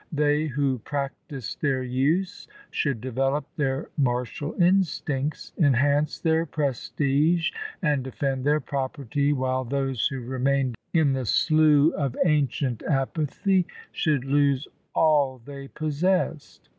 They who practised their use should develop their martial instincts, enhance their prestige, and defend their property, while those who remained in the slough of ancient apathy should lose all they possessed.